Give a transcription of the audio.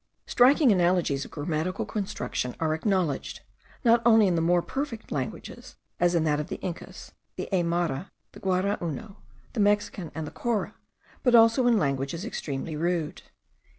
Striking analogies of grammatical construction are acknowledged, not only in the more perfect languages, as in that of the Incas, the Aymara, the Guarauno, the Mexican, and the Cora, but also in languages extremely rude.